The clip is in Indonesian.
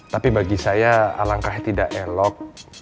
tapi bagi saya alangkah tidak elok